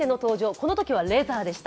このときはレザーでした。